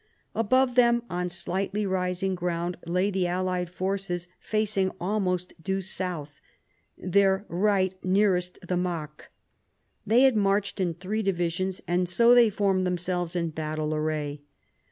Above them on slightly rising ground lay the allied forces facing almost due south, their right nearest the Marcq. They had marched in three divisions, and so they formed themselves in battle array.